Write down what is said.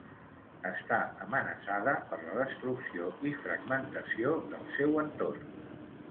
Està amenaçada per la destrucció i fragmentació del seu entorn.